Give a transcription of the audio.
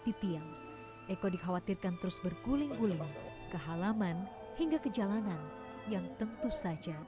di tiang eko dikhawatirkan terus berguling guling ke halaman hingga ke jalanan yang tentu saja